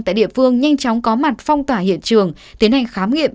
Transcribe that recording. tại địa phương nhanh chóng có mặt phong tỏa hiện trường tiến hành khám nghiệm